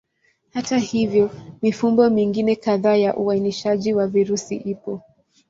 Hata hivyo, mifumo mingine kadhaa ya uainishaji wa virusi ipo.